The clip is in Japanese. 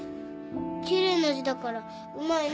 奇麗な字だからうまいね。